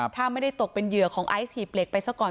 ถ้าไม่ได้ตกเป็นเหยื่อของไอซ์หีบเหล็กไปซะก่อน